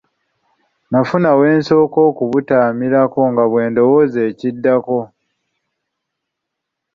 Nafuna we nsooka okubutamirako nga bwe ndowooza ekiddako.